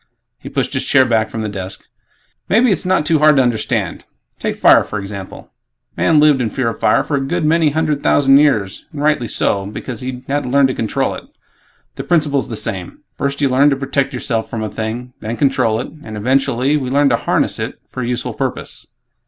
He pushed his chair back from the desk, "Maybe it's not too hard to understand. Take 'fire' for example: Man lived in fear of fire for a good many hundred thousand years and rightly so, because he hadn't learned to control it. The principle's the same; First you learn to protect yourself from a thing; then control it; and, eventually, we learn to 'harness' it for a useful purpose."